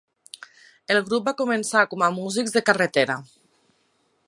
El grup va començar com a músics de carretera.